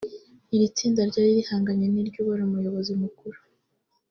Iri tsinda ryari rihanganye n’iry’uwari umuyobozi mukuru